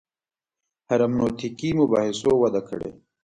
هرمنوتیکي مباحثو وده کړې.